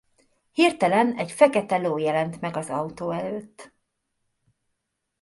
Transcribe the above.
Hirtelen egy fekete ló jelent meg az autó előtt.